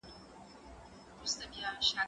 زه هره ورځ سينه سپين کوم؟!